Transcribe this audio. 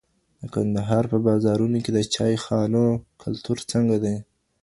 د کندهار په بازارونو کي د چای خانو کلتور څنګه دی؟